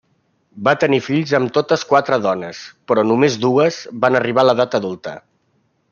Va tenir fills amb totes quatre dones, però només dos van arribar a l'edat adulta.